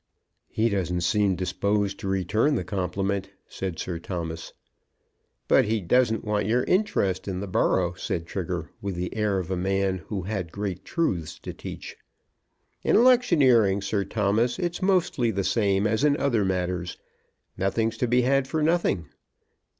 "He doesn't seem disposed to return the compliment," said Sir Thomas. "But he doesn't want your interest in the borough," said Trigger, with the air of a man who had great truths to teach. "In electioneering, Sir Thomas, it's mostly the same as in other matters. Nothing's to be had for nothing.